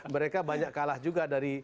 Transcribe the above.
mereka banyak kalah juga dari